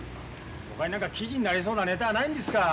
ほかに何か記事になりそうなネタはないんですか？